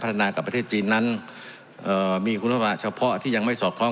นากับประเทศจีนนั้นเอ่อมีคุณภาพเฉพาะที่ยังไม่สอดคล้อง